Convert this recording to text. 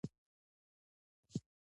کېله د معدې تیزاب کموي.